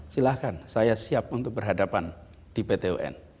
silahkan saya siap untuk berhadapan di pt un